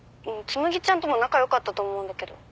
紬ちゃんとも仲良かったと思うんだけど。